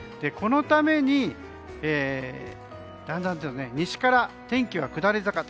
このためにだんだんと西から天気が下り坂。